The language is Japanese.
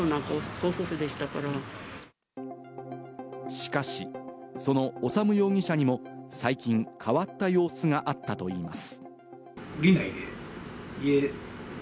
しかし、その修容疑者にも最近変わった様子があったといいます。